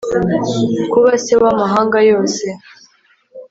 Kuba se w amahanga yose